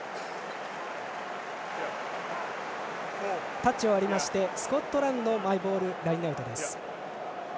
タッチを割りましてスコットランドマイボールラインアウトです。